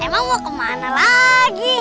emang mau kemana lagi